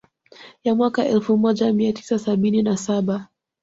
Ya mwaka elfu moja mia tisa sabini na saba